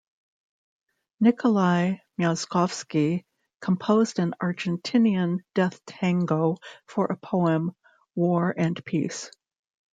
Nikolai Myaskovsky composed an Argentinian Death Tango for a poem War and Peace.